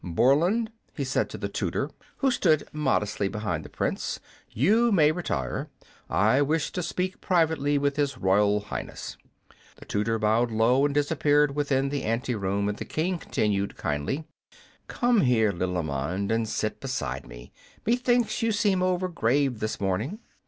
"Borland," he said to the tutor, who stood modestly behind the Prince, "you may retire. I wish to speak privately with his royal highness." The tutor bowed low and disappeared within the ante room, and the King continued, kindly, "Come here, Lilimond, and sit beside me. Methinks you seem over grave this morning."